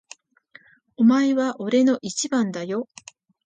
お前は俺の一番だよ。